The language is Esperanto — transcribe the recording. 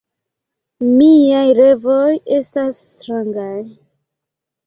Miaj revoj estas strangaj.